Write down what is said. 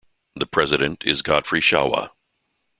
The president is Godfrey Shawa.